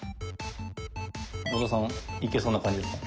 小田さんいけそうな感じですか？